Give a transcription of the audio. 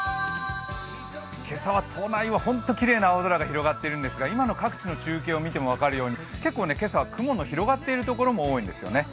今朝は都内はホントきれいな青空が広がっているんですが今の各地の中継を見ても分かるように、結構今朝は雲が広がっている所も多いんですよね。